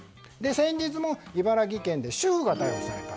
先日も茨城県で主婦が逮捕された。